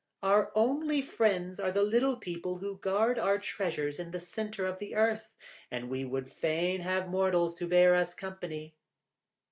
Our only friends are the little people who guard our treasures in the centre of the earth, and we would fain have mortals to bear us company.